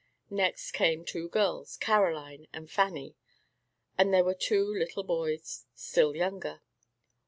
Next came two girls, Caroline and Fanny, and there were two little boys still younger.